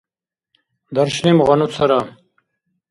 даршлим гъану цара